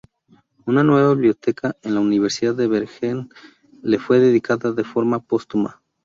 Una nueva biblioteca en la Universidad de Bergen le fue dedicada de forma póstuma.